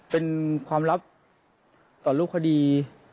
เป็นความลับต่อรูปคดี